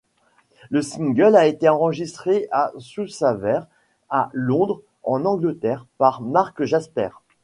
Le single a été enregistré à Soundsavers à Londres en Angleterre par Mark Jasper.